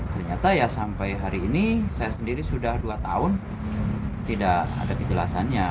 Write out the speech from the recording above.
ternyata ya sampai hari ini saya sendiri sudah dua tahun tidak ada kejelasannya